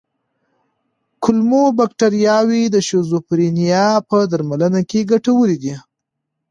کولمو بکتریاوې د شیزوفرینیا په درملنه کې ګټورې دي.